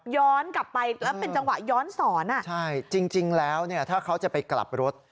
ย้อนกลับไปแล้วเป็นจังหวะย้อนสอนอ่ะใช่จริงแล้วเนี่ยถ้าเขาจะไปกลับรถ